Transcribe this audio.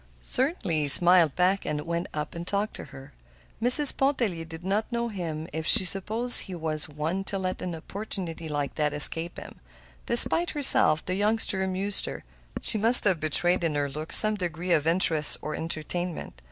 Certainly he smiled back, and went up and talked to her. Mrs. Pontellier did not know him if she supposed he was one to let an opportunity like that escape him. Despite herself, the youngster amused her. She must have betrayed in her look some degree of interest or entertainment.